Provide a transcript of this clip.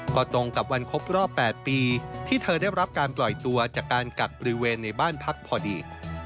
ก็ตรงกับวันครบรอบ๘ปีที่เธอได้รับการปล่อยตัวจากการกักบริเวณในบ้านพักพอดี